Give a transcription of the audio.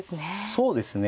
そうですね